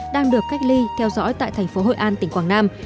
đang được cách ly theo dõi tại thành phố hội an tỉnh quảng nam